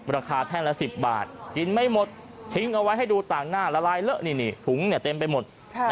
แท่งละ๑๐บาทกินไม่หมดทิ้งเอาไว้ให้ดูต่างหน้าละลายเลอะนี่ถุงเนี่ยเต็มไปหมด